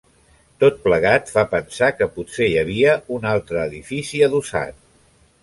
Tot plegat fa pensar que potser hi havia un altre edifici adossat.